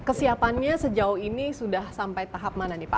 kesiapannya sejauh ini sudah sampai tahap mana nih pak